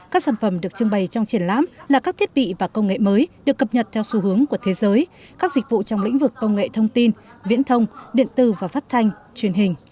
các sản phẩm được trưng bày trong triển lãm là các thiết bị và công nghệ mới được cập nhật theo xu hướng của thế giới các dịch vụ trong lĩnh vực công nghệ thông tin viễn thông điện tư và phát thanh truyền hình